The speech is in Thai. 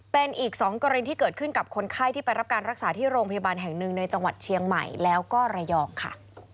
เป็นอีก๒กรณีที่เกิดขึ้นกับคนไข้ที่ไปรับการรักษาที่โรงพยาบาลแห่งหนึ่งในจังหวัดเชียงใหม่แล้วก็ระยองค่ะ